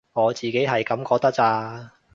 我自己係噉覺得咋